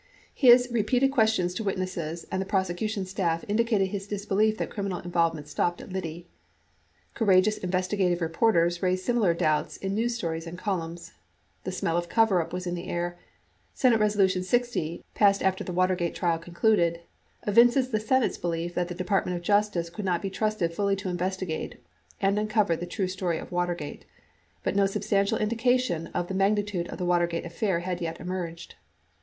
His repeated questions to witnesses and the prosecution staff indicated his disbelief that criminal involve ment stopped at Liddy. Courageous investigative reporters raised similar doubts in news stories and columns. The smell of coverup was in the air. S. Res. 60, passed after the Watergate trial concluded, evinces the Senate's belief that the Department of Justice could not be trusted fully to investigate and uncover the true story of Water gate. But no substantial indication of the magnitude of the Watergate affair had yet emerged.